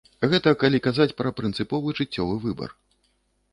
Гэта калі казаць пра прынцыповы жыццёвы выбар.